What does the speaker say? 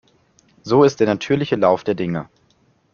So ist der natürliche Lauf der Dinge.